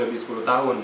lebih sepuluh tahun